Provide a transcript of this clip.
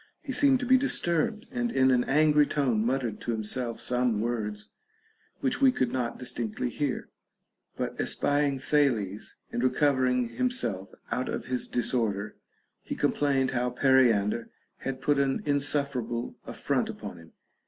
He seemed to be disturbed, and in an angry tone muttered to himself some words which we could not distinctly hear ; but espying Thales, and recovering himself out of his disorder, he complained how Periander had put an insuf ferable affront upon him.